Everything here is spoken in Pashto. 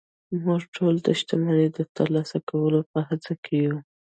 موږ ټول د شتمنۍ د ترلاسه کولو په هڅه کې يو